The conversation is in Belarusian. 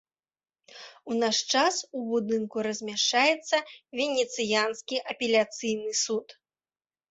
У наш час у будынку размяшчаецца венецыянскі апеляцыйны суд.